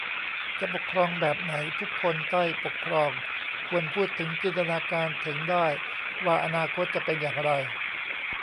จะปกครองแบบไหน ทุกคนใต้ปกครองควรพูดถึงจินตนาการถึงได้ว่าอนาคตจะเป็นอย่างไร